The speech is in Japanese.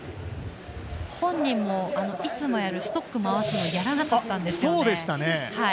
本人も、いつもやるストックを回すのをやらなかったんですよね。